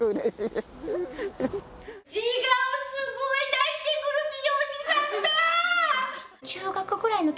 自我をすごい出してくる美容師さんだー！